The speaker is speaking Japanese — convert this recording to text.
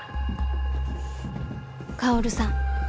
薫さん